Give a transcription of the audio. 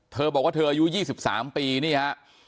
เขาบอกว่าเธออยู่๒๓ปีเนี่ยฮะ